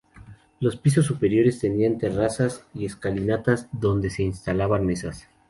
Los pisos superiores tenían terrazas y escalinatas donde se instalaban mesas.